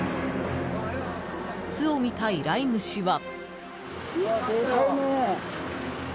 巣を見た依頼主は。